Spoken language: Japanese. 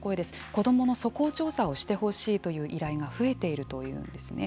子どもの素行調査をしてほしいという依頼が増えているというんですね。